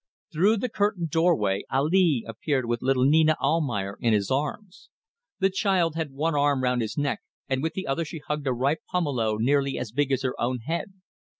Through the curtained doorway Ali appeared with little Nina Almayer in his arms. The child had one arm round his neck, and with the other she hugged a ripe pumelo nearly as big as her own head.